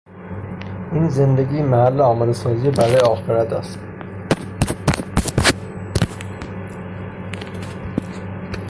این زندگی محل آمادهسازی برای آخرت است.